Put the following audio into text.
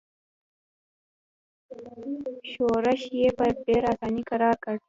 ښورښ یې په ډېره اساني کرار کړ.